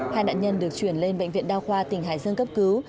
hai nạn nhân được chuyển lên bệnh viện đa khoa tỉnh hải dương cấp cứu